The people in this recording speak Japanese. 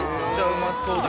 うまそう！